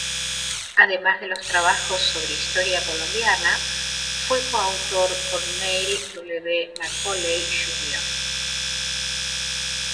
Además de los trabajos sobre historia colombiana, fue coautor con Neill W. Macaulay, Jr.